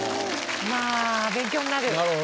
まぁ勉強になる！